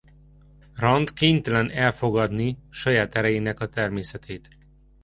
Rand kénytelen elfogadni saját erejének a természetét.